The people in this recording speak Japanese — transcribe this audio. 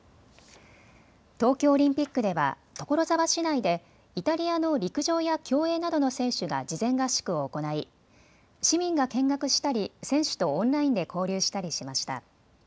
東京オリンピックでは所沢市内でイタリアの陸上や競泳などの選手が事前合宿を行い市民が見学したり選手とオンラインで交流したりしました。